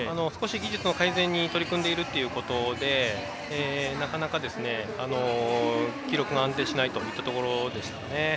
技術の向上に取り組んでいるということでなかなか記録が安定しないといったところでしたね。